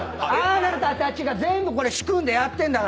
あなたたちが全部これ仕組んでやってんだから。